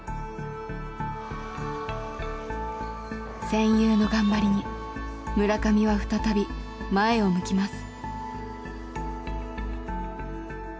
戦友の頑張りに村上は再び前を向きます。